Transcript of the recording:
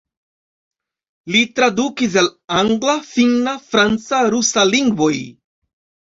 Li tradukis el angla, finna, franca, rusa lingvoj.